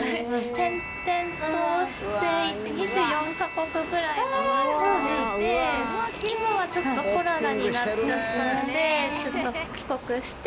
転々として２４か国くらい回っていて今はちょっとコロナになっちゃったので。